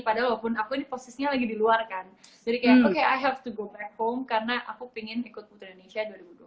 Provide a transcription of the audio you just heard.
padahal walaupun aku posisinya lagi di luar kan jadi kayak oke aku harus kembali ke rumah karena aku ingin ikut putri indonesia dua ribu dua puluh